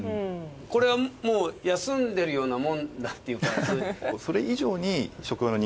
これはもう休んでるようなものだっていうか。